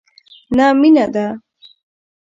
نه مینه ده،